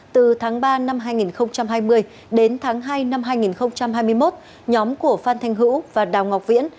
từ tháng ba năm hai nghìn hai mươi đến tháng hai năm hai nghìn hai mươi một nhóm của phan thanh hữu và đào ngọc viễn